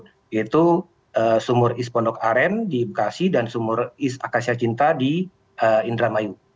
yaitu sumur ispondok aren di bekasi dan sumur is akasia cinta di indra mayu